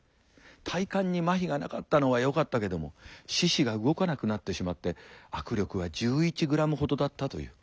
体幹にまひがなかったのはよかったけども四肢が動かなくなってしまって握力は１１ｇほどだったという。